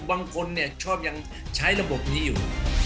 บางคนเนี่ยชอบยังใช้ระบบนี้อยู่